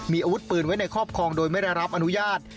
มีอาวุธปืนไว้ในครอบครองโดยไม่ได้รับอนุญาต